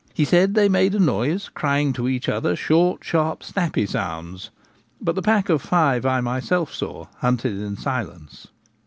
He said they made a noise, crying to each other, short sharp snappy sounds ; but the pack of five I myself saw hunted in silence.